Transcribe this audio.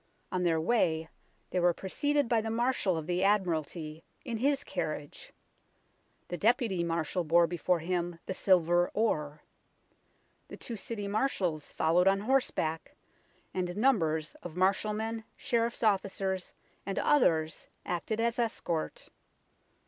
On their way they were preceded by the Marshal of the Admiralty in his carriage. The Deputy Marshal bore before him the Silver Oar. The two City Marshals followed on horseback, and numbers of marshal men, sheriffs' officers and others acted as escort.